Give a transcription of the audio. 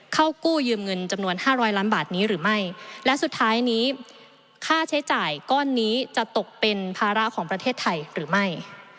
กู้ยืมเงินจำนวนห้าร้อยล้านบาทนี้หรือไม่และสุดท้ายนี้ค่าใช้จ่ายก้อนนี้จะตกเป็นภาระของประเทศไทยหรือไม่